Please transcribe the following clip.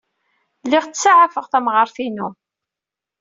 Lliɣ ttsaɛafeɣ tamɣart-inu.